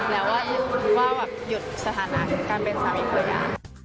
แล้วว่าหยุดสถานะการเป็นสามีผู้ใหญ่